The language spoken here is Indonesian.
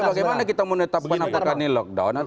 bagaimana kita menetapkan apakah ini lockdown atau